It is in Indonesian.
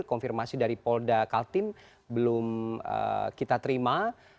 konfirmasi dari polda kaltim belum kita terima